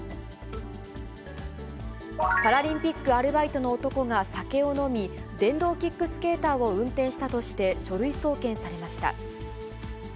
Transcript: パラリンピックアルバイトの男が酒を飲み、電動キックスケーターを運転したとして、書類送検されました。